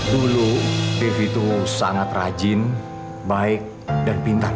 dulu beef itu sangat rajin baik dan pintar